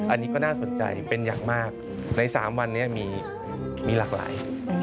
อันนี้ก็น่าสนใจเป็นอย่างมากใน๓วันนี้มีหลากหลาย